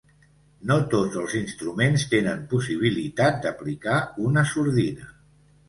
No tots els instruments tenen possibilitat d'aplicar una sordina.